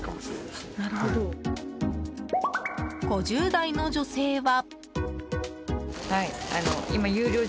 ５０代の女性は。